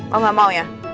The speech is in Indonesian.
mau gak mau ya